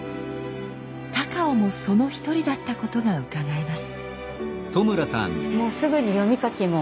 高尾もその一人だったことがうかがえます。